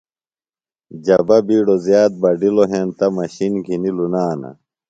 جبہ بِیڈو زِیات بڈِلوۡ ہینتہ مشِن گِھنیۡ لُنانوۡ۔